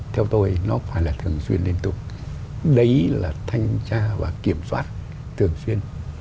theo tôi nó phải là thường xuyên liên tục đấy là thanh tra và kiểm soát thường xuyên